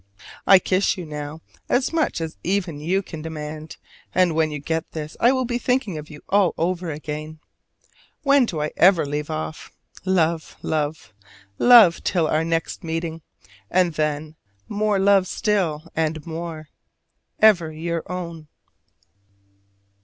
I kiss you now, as much as even you can demand; and when you get this I will be thinking of you all over again. When do I ever leave off? Love, love, love till our next meeting , and then more love still, and more! Ever your own.